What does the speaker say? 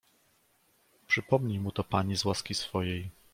"Przypomnij mu to pani z łaski swojej."